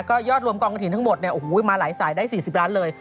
ก็ยอดรวมกองกระถิ่นทั้งหมดเนี่ยโอ้โหมาหลายสายได้๔๐ล้านเลย